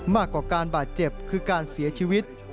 มากกว่าการบาดเจ็บคือการเสียชีวิต